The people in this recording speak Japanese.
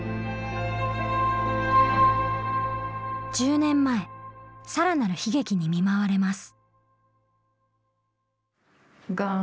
１０年前さらなる悲劇に見舞われます。